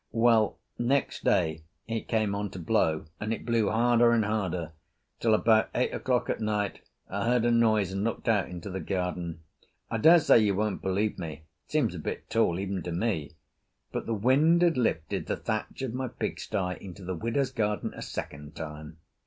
Well, next day it came on to blow, and it blew harder and harder, till about eight o'clock at night I heard a noise and looked out into the garden. I dare say you won't believe me, it seems a bit tall even to me, but the wind had lifted the thatch of my pigsty into the widow's garden a second time.